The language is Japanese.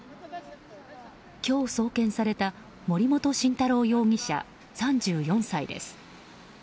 今日、送検された森本晋太郎容疑者、３４歳です。